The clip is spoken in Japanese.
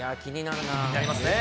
気になりますね。